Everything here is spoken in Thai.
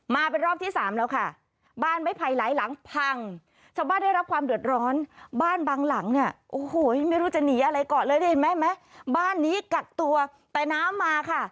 มาเป็นรอบที่๓แล้วค่ะ